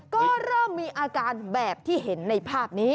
ก็เริ่มมีอาการแบบที่เห็นในภาพนี้